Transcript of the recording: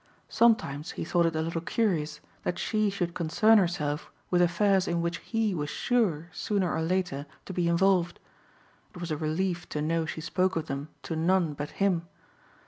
Sometimes he thought it a little curious that she should concern herself with affairs in which he was sure, sooner or later, to be involved. It was a relief to know she spoke of them to none but him.